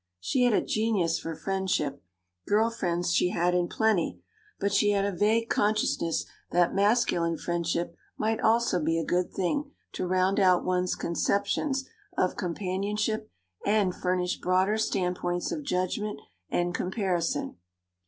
She had a genius for friendship; girl friends she had in plenty; but she had a vague consciousness that masculine friendship might also be a good thing to round out one's conceptions of companionship and furnish broader standpoints of judgment and comparison.